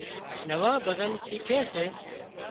نوان ڀزن شيکي سي